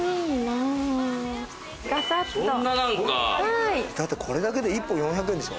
だってこれだけで１本４００円でしょ？